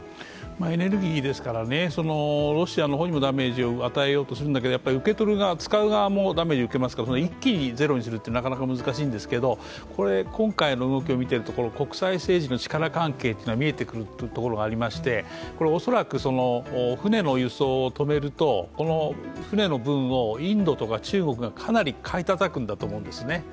エネルギーですからロシアの方にもダメージを与えるようにするんだけど受け取る側、使う側もダメージを受けますから一気にゼロにするってなかなか難しいんですけど今回の動きを見ていると、国際政治の力関係が見えてくるというところがありまして、恐らく船の輸送を止めると船の分をインドとか中国がかなり買いたたくんだと思うんですね